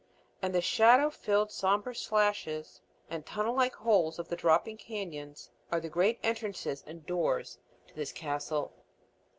And the shadow filled somber slashes and tunnel like holes of the dropping cañons are the great entrances and doors to this castle.